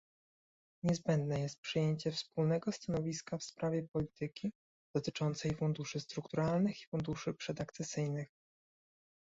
Niezbędne jest przyjęcie wspólnego stanowiska w sprawie polityki dotyczącej funduszy strukturalnych i funduszy przedakcesyjnych